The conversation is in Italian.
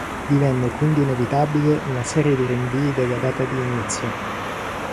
Divenne quindi inevitabile una serie di rinvii della data di inizio.